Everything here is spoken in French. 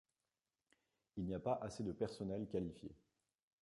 Il n' y a pas assez de personnel qualifié.